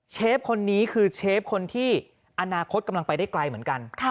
เชฟคนนี้คือเชฟคนที่อนาคตกำลังไปได้ไกลเหมือนกัน